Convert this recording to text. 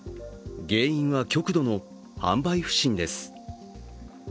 原因は、極度の販売不振です。